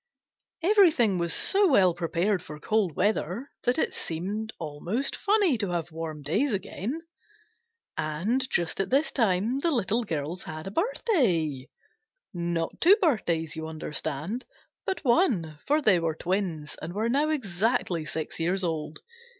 Everything was so well prepared for cold weather that it seemed almost funny to have warm days again. And just at this time the Little Girls had a birthday. Not two birthdays, you understand, but one, for they were twins and were now exactly six years old.